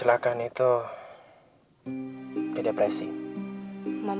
aku disuruh tawarin si mew